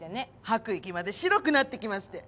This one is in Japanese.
吐く息まで白くなってきまして。